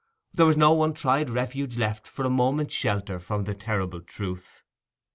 There was no untried refuge left for a moment's shelter from the terrible truth.